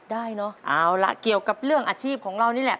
ได้เนอะเอาล่ะเกี่ยวกับเรื่องอาชีพของเรานี่แหละ